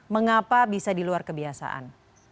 mengapa bisa di luar kebiasaan